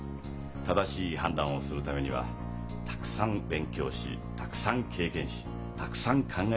正しい判断をするためにはたくさん勉強したくさん経験したくさん考えるしかないんです。